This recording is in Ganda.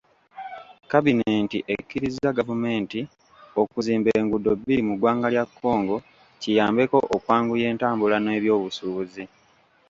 Kabbineeti ekkiriza gavumenti okuzimba enguudo bbiri mu ggwanga lya Congo kiyambeko okwanguya entambula n'ebwobusubuzi.